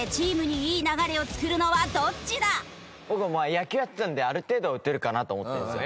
僕は野球やってたのである程度は打てるかなと思ってるんですよ。